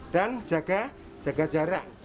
dan jaga jarak